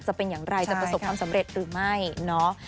จะเป็นอย่างไรจะประสบความสำเร็จหรือไม่เนาะ